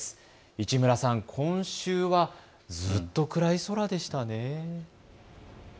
市村さん、今週はずっと暗い空でしたね。